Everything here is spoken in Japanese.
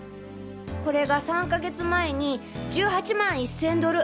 これが３か月前に１８万１０００ドル